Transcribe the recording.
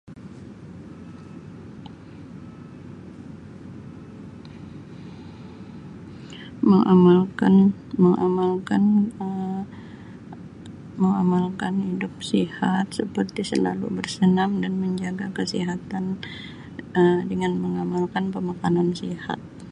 Mengamalkan mengamalkan Um mengamalkan hidup sihat seperti selalu bersenam dan menjaga kesihatan Um dengan mengamalkan pemakanan sihat.